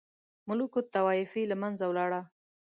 ملوک الطوایفي له منځه ولاړه.